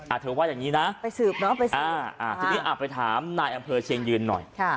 เธอว่าอย่างงี้นะไปสืบเนาะไปสืบอ่าอ่าทีนี้อ่ะไปถามนายอำเภอเชียงยืนหน่อยค่ะ